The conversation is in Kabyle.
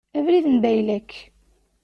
Abrid n baylek.